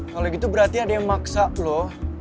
kalau gitu berarti ada yang maksa loh